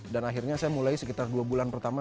dan akhirnya saya mulai sekitar dua bulan pertama